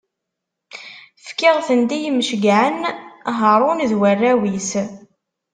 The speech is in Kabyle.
Fkiɣ-tent i yimceyyɛen Haṛun d warraw-is.